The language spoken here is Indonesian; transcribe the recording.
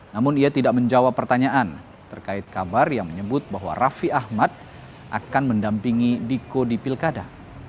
namun ia tidak menjawab pertanyaan terkait kabar yang menyebut bahwa raffi ahmad akan mendampingi diko di pilkada